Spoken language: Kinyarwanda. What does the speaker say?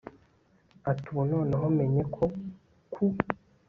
ati ubu noneho menye ko ku